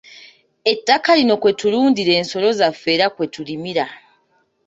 Ettaka lino kwe tulundira ensolo zaffe era kwe tulimira.